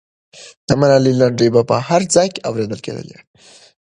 د ملالۍ لنډۍ به په هر ځای کې اورېدلې کېدلې.